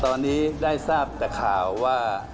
ตอนนี้ได้ทราบแต่ข่าวว่า